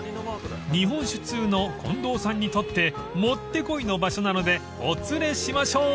［日本酒通の近藤さんにとってもってこいの場所なのでお連れしましょう！］